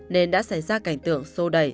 nên đã xảy ra cảnh tượng sô đẩy